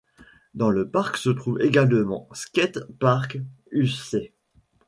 Dans le parc se trouve également Skate park Ušće.